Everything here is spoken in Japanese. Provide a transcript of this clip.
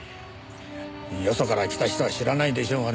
よそから来た人は知らないでしょうがね